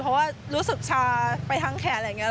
เพราะว่ารู้สึกชาไปทางแขนอะไรอย่างนี้